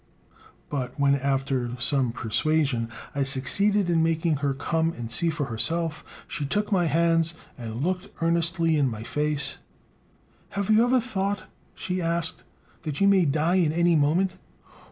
But when, after some persuasion, I succeeded in making her come and see for herself, she took my hands and looked earnestly in my face: "Have you never thought," she asked, "that you may die at any moment?...